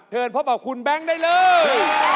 พบกับคุณแบงค์ได้เลย